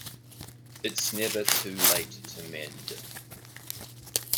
It's never too late to mend